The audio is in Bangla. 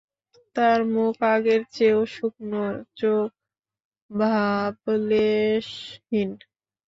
তার মুখ আগের চেয়েও শুকনো, চোখ ভাবলেশহীন।